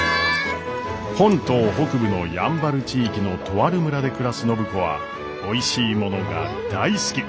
本島北部のやんばる地域のとある村で暮らす暢子はおいしいものが大好き。